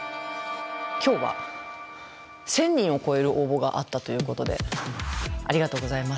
今日は１，０００人を超える応募があったということでありがとうございます。